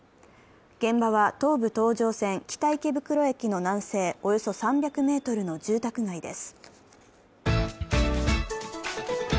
現場は東武東上線・北池袋駅の南西およそ３００ｍの住宅街です。